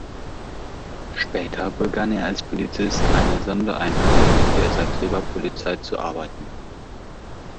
Später begann er als Polizist einer Sondereinheit der Zagreber Polizei zu arbeiten.